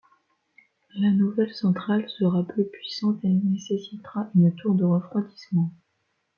La nouvelle centrale sera plus puissante et nécessitera une tour de refroidissement.